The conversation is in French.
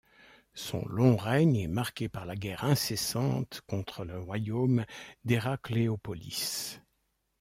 Son long règne est marqué par la guerre incessante contre le royaume d’Hérakléopolis.